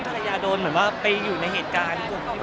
ภาย่าโดนไปอยู่ในเหตุการณ์